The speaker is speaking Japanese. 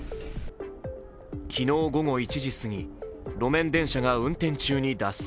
昨日午後１時過ぎ路面電車が運転中に脱線。